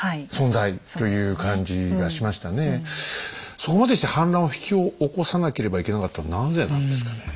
そこまでして反乱を引き起こさなければいけなかったのはなぜなんですかね？